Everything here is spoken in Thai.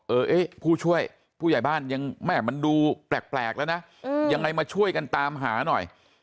เอ๊ะผู้ช่วยผู้ใหญ่บ้านยังแม่มันดูแปลกแล้วนะยังไงมาช่วยกันตามหาหน่อย